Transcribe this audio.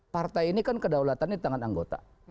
partai ini kan kedaulatannya tangan anggota